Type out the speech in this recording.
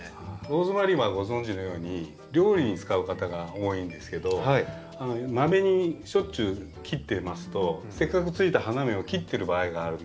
ローズマリーはご存じのように料理に使う方が多いんですけどマメにしょっちゅう切ってますとせっかくついたあなるほど。